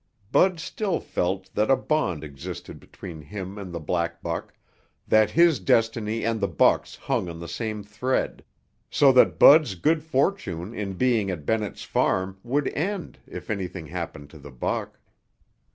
Bud still felt that a bond existed between him and the black buck, that his destiny and the buck's hung on the same thread, so that Bud's good fortune in being at Bennett's Farm would end if anything happened to the buck.